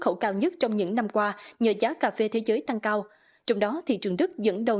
khẩu cao nhất trong những năm qua nhờ giá cà phê thế giới tăng cao trong đó thị trường đức dẫn đầu